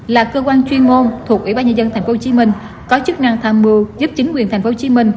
là cơ quan chuyên môn thuộc ủy ban nhân dân tp hcm có chức năng tham mưu giúp chính quyền tp hcm